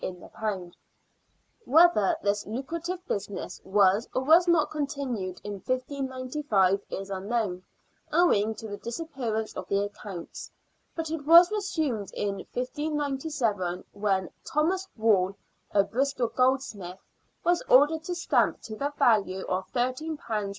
in the pound. Whether this lucrative business was or was not continued in 1595 is unknown, owing to the disappearance of the accounts ; but it was resumed in 1597, when Thomas Wall, a Bristol goldsmith, was ordered to stamp to the value of £13 los.